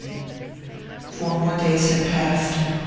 XXIX FOUR more days had passed.